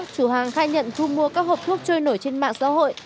chủ hàng khai nhận thu mua các hộp thuốc trôi nổi trên mạng xã hội